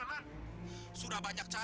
bapak pulang juga